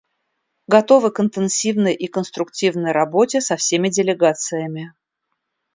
Готовы к интенсивной и конструктивной работе со всеми делегациями.